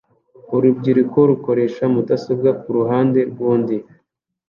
Urubyiruko rukoresha mudasobwa kuruhande rwundi